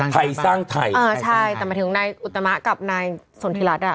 ไถ่สร้างไถ่ใช่แต่มาถึงนายอุตมะกับนายสนธิรัตน์อ่ะ